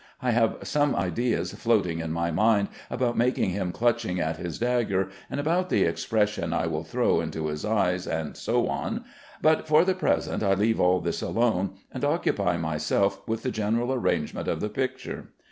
I have some ideas floating in my mind about making him clutching at his dagger, and about the expression I will throw into his eyes, and so on; but, for the present, I leave all this alone, and occupy myself with the general arrangement of the picture.